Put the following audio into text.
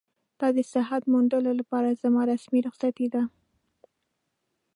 دا د صحت موندلو لپاره زما رسمي رخصتي ده.